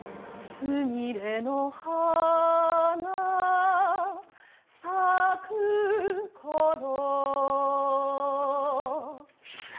「すみれの花咲くころ」